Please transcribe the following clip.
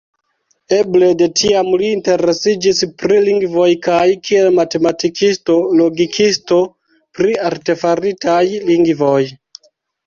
Eble de tiam li interesiĝis pri lingvoj kaj, kiel matematikisto-logikisto, pri artefaritaj lingvoj.